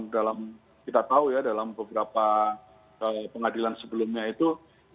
karena dalam kita tahu ya dalam beberapa pengadilan sebelumnya itu